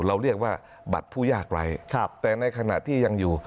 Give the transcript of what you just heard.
เราเรียกว่าบัตรผู้ยากไร้แต่ในขณะที่ยังอยู่